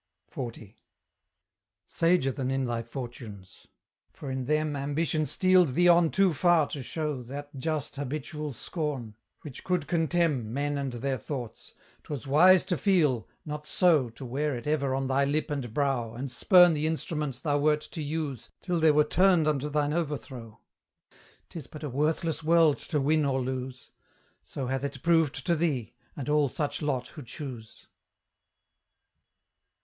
XL. Sager than in thy fortunes; for in them Ambition steeled thee on to far too show That just habitual scorn, which could contemn Men and their thoughts; 'twas wise to feel, not so To wear it ever on thy lip and brow, And spurn the instruments thou wert to use Till they were turned unto thine overthrow: 'Tis but a worthless world to win or lose; So hath it proved to thee, and all such lot who choose.